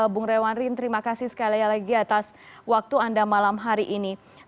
bung rewandin terima kasih sekali lagi atas waktu anda malam hari ini